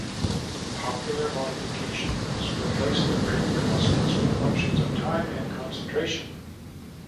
Popular modifications replace the rate constants with functions of time and concentration.